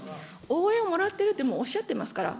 応援をもらってるってもうおっしゃってますから。